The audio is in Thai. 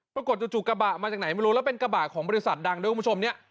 จู่กระบะมาจากไหนไม่รู้แล้วเป็นกระบะของบริษัทดังด้วยคุณผู้ชมเนี่ย